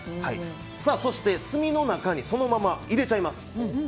そして、炭の中にそのまま入れちゃいます。